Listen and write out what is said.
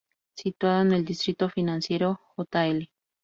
Situado en el distrito financiero Jl.